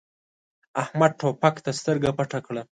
احمد توپک ته سترګه پټه کړه.